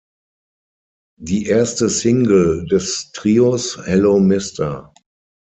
Die erste Single des Trios, "Hello, Mr.